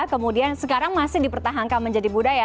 kemudian sekarang masih dipertahankan menjadi budaya